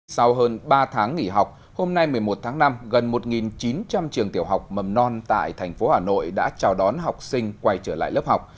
sau hơn ba tháng nghỉ học hôm nay một mươi một tháng năm gần một chín trăm linh trường tiểu học mầm non tại thành phố hà nội đã chào đón học sinh quay trở lại lớp học